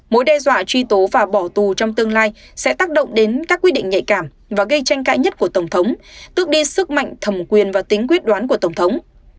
mối đe dọa truy tố và bỏ tù trong tương lai sẽ tác động đến các quyết định nhạy cảm và gây tranh cãi nhất của tổng thống tước đi sức mạnh thẩm quyền và tính quyết đoán của tổng thống